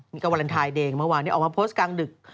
นี่ก็วาเลนไทยเองเมื่อวานนี้ออกมาโพสต์กลางดึก